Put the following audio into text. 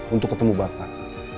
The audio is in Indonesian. untuk ketemu bapak